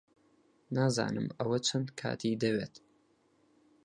نازانم ئەوە چەند کاتی دەوێت.